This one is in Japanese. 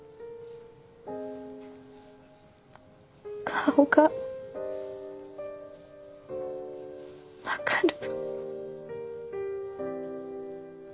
顔が分かる。